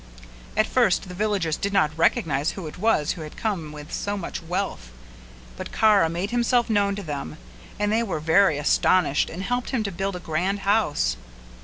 At first the villagers did not recognise who it was who had come with so much wealth but Kara made himself known to them and they were very astonished and helped him to build a grand house.